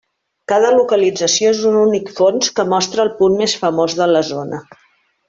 Cada localització és un únic fons que mostra el punt més famós de la zona.